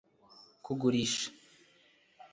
kugurisha